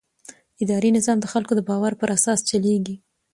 اداري نظام د خلکو د باور پر اساس چلېږي.